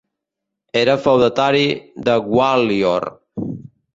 Era feudatari de Gwalior.